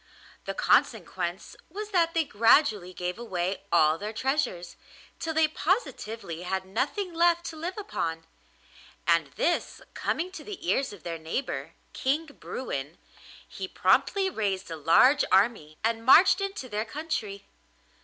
The consequence was that they gradually gave away all their treasures, till they positively had nothing left to live upon; and this coming to the ears of their neighbour, King Bruin, he promptly raised a large army and marched into their country.